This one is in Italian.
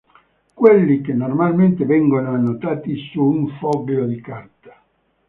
Quelli che normalmente vengono annotati su un foglio di carta.